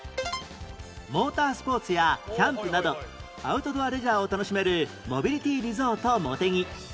モータースポーツやキャンプなどアウトドアレジャーを楽しめるモビリティリゾートもてぎ